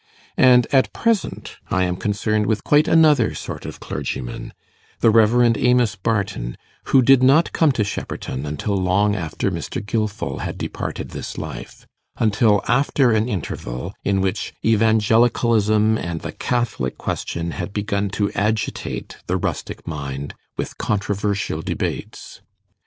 And at present I am concerned with quite another sort of clergyman the Rev. Amos Barton, who did not come to Shepperton until long after Mr. Gilfil had departed this life until after an interval in which Evangelicalism and the Catholic Question had begun to agitate the rustic mind with controversial debates.